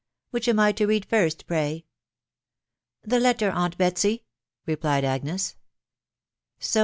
.• Which an 7 to read first, pray?" " The letter, aunt Betsy," ieou*d Agm. "So.